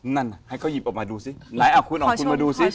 นั่นให้เขาหยิบออกมาดูซินายคุณออกมาดูซิ